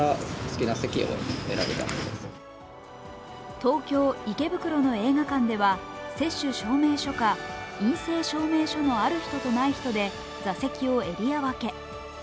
東京・池袋の映画館では接種証明書か陰性証明書のある人とない人で座席をエリア分け。